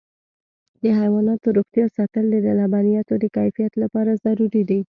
د حیواناتو روغتیا ساتل د لبنیاتو د کیفیت لپاره ضروري دي.